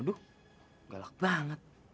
aduh galak banget